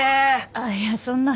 あっいやそんな。